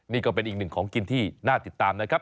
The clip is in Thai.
นี่ก็เป็นอีกหนึ่งของกินที่น่าติดตามนะครับ